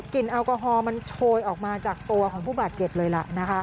กลิ่นแอลกอฮอล์มันโชยออกมาจากตัวของผู้บาดเจ็บเลยละ